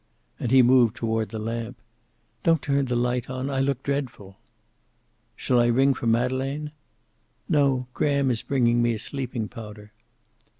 And he moved toward the lamp. "Don't turn the light on. I look dreadful." "Shall I ring for Madeleine?" "No. Graham is bringing me a sleeping powder."